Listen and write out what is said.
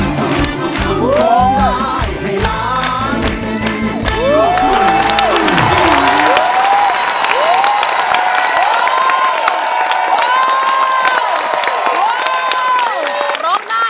สองหมื่น